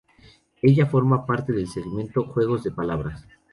Ella forma parte del segmento Juegos de palabras.